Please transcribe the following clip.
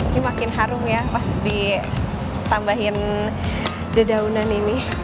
ini makin harum ya pas ditambahin dedaunan ini